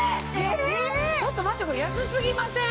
ちょっと待ってこれ安過ぎません？